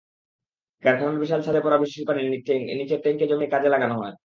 কারখানার বিশাল ছাদে পড়া বৃষ্টির পানি নিচের ট্যাংকে জমিয়ে কাজে লাগানো হয়।